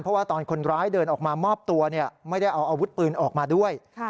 เพราะว่าตอนคนร้ายเดินออกมามอบตัวไม่ได้เอาอาวุธปืนออกมาด้วย